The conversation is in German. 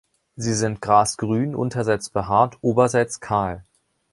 Sie sind grasgrün, unterseits behaart, oberseits kahl.